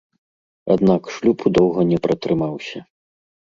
Аднак шлюб доўга не пратрымаўся.